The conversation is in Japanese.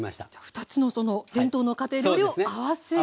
２つの伝統の家庭料理をあわせた。